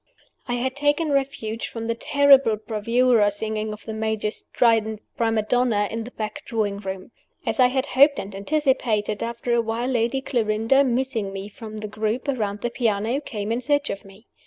I had taken refuge from the terrible bravura singing of the Major's strident prima donna in the back drawing room. As I had hoped and anticipated, after a while Lady Clarinda (missing me from the group around the piano) came in search of me.